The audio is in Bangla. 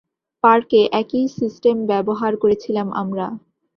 পার্কে একই সিস্টেম ব্যবহার করেছিলাম আমরা।